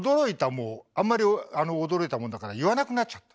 もうあんまり驚いたもんだから言わなくなっちゃった。